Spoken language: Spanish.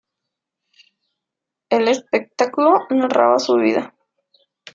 El espectáculo narraba su vida.